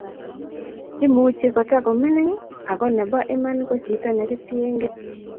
imuchi ko takomining, ako nebo iman ko chito ne kitiengei